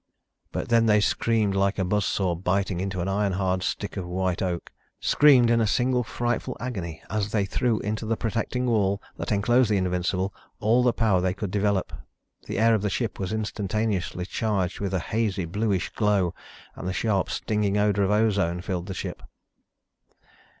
But then they screamed like a buzz saw biting into an iron hard stick of white oak. Screamed in a single, frightful agony as they threw into the protecting wall that enclosed the Invincible all the power they could develop. The air of the ship was instantaneously charged with a hazy, bluish glow, and the sharp, stinging odor of ozone filled the ship.